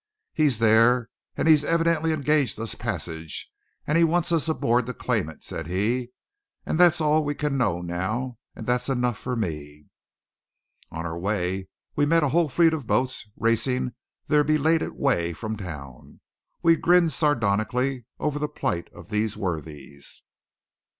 "He's there, and he's evidently engaged us passage; and he wants us aboard to claim it," said he, "and that's all we can know now; and that's enough for me." On our way we met a whole fleet of boats racing their belated way from town. We grinned sardonically over the plight of these worthies.